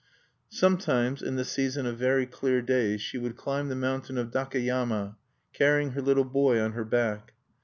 Sometimes, in the season of very clear days, she would climb the mountain of Dakeyama, carrying her little boy on her back.